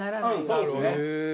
そうですね！